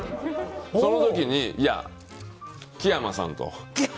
その時に、キヤマさんと。